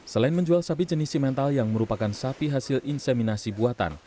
selain menjual sapi jenis simental yang merupakan sapi hasil inseminasi buatan